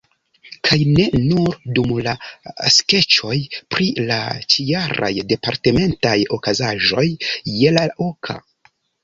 Kaj ne nur dum la skeĉoj pri la ĉijaraj departementaj okazaĵoj je la oka.